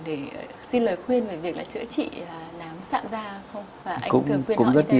để xin lời khuyên về việc chữa trị nám sạm da không